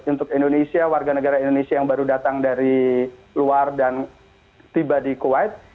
untuk indonesia warga negara indonesia yang baru datang dari luar dan tiba di kuwait